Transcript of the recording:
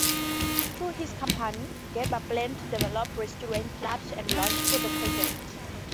Through his company, Gerber planned to develop restaurants, clubs, and lounges for the project.